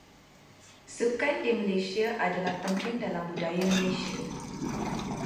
Sukan di Malaysia adalah penting dalam budaya Malaysia.